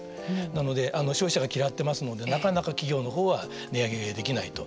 なので、消費者が嫌ってますのでなかなか企業のほうは値上げできないと。